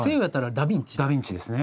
ダビンチですね。